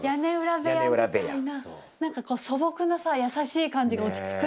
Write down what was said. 屋根裏部屋みたいな何かこう素朴なさ優しい感じが落ち着くね。